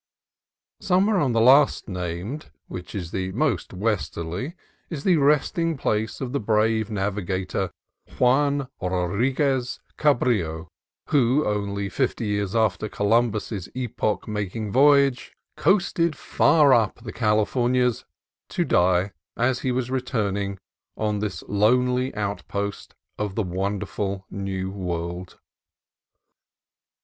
Somewhere on the last named (which is the most westerly) is the resting place of the brave navigator Juan Rodriguez Cabrillo, who, only fifty years after Columbus's epoch making voyage, coasted far up "the Californias," to die, as he was returning, on this lonely outpost of the wonderful new world.